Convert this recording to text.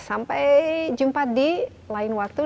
sampai jumpa di lain waktu